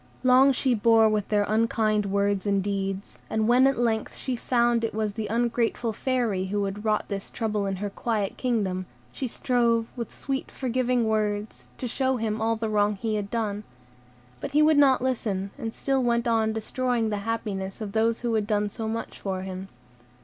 Long she bore with their unkind words and deeds; and when at length she found it was the ungrateful Fairy who had wrought this trouble in her quiet kingdom, she strove, with sweet, forgiving words, to show him all the wrong he had done; but he would not listen, and still went on destroying the happiness of those who had done so much for him.